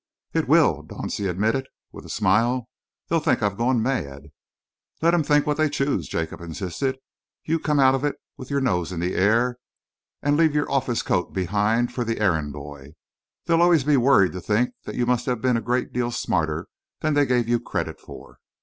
"It will!" Dauncey admitted, with a smile. "They'll think I've gone mad." "Let 'em think what they choose," Jacob insisted. "You come out of it with your nose in the air and leave your office coat behind for the errand boy. They'll always be worried to think that you must have been a great deal smarter than they gave you credit for."